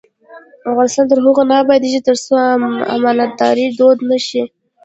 افغانستان تر هغو نه ابادیږي، ترڅو امانتداري دود نشي.